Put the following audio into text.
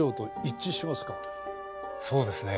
そうですね。